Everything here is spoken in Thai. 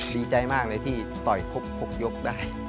ดีใจมากเลยที่ต่อยครบ๖ยกได้